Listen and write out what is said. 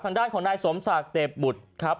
ทางด้านของนายสมศาสเตบบุตรครับ